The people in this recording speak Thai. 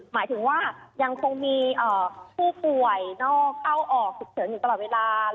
หมายถึงว่ายังคงมีผู้ป่วยนอกเข้าออกฉุกเฉินอยู่ตลอดเวลา